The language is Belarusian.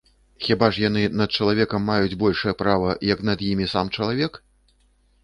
Хіба ж яны над чалавекам маюць большае права, як над імі сам чалавек?